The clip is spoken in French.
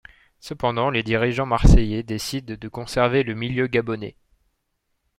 Cependant, les dirigeants marseillais décident de conserver le milieu gabonais.